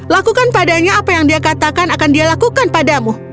lakukan padanya apa yang dia katakan akan dia lakukan padamu